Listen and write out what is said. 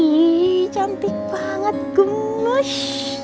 iiih cantik banget gemes